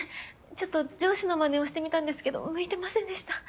ちょっと上司のまねをしてみたんですけど向いてませんでした。